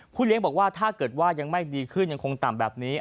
เลี้ยงบอกว่าถ้าเกิดว่ายังไม่ดีขึ้นยังคงต่ำแบบนี้